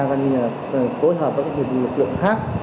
phối hợp với lực lượng khác